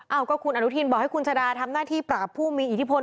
ก็คุณอนุทินบอกให้คุณชาดาทำหน้าที่ปราบผู้มีอิทธิพล